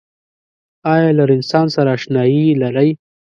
آیا له رنسانس سره اشنایې لرئ؟